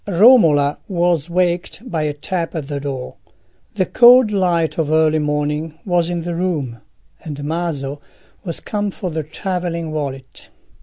Romola was waked by a tap at the door. The cold light of early morning was in the room, and Maso was come for the travelling wallet.